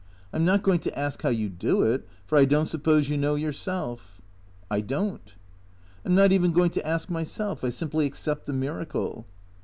I 'm not going to ask how you do it, for I don't suppose you know yourself." '' I don't." " I 'm not even going to ask myself. I simply accept the miracle."